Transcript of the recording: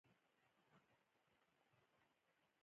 خو پښتو يې ويله.